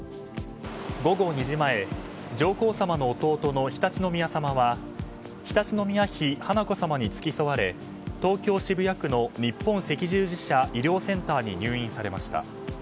午後２時前、上皇さまの弟の常陸宮さまは常陸宮妃華子さまに付き添われ東京・渋谷区の日本赤十字社医療センターに入院されました。